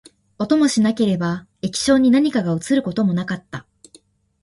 音もしなければ、液晶に何かが写ることもなかった